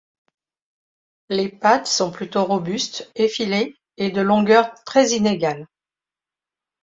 Les pattes sont plutôt robustes, effilées, et de longueur très inégale.